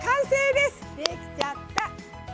できちゃった。